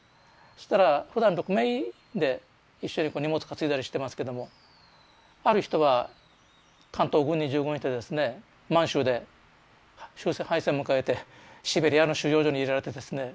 そしたらふだん６名で一緒に荷物かついだりしてますけどもある人は関東軍に従軍してですね満州で終戦敗戦を迎えてシベリアの収容所に入れられてですね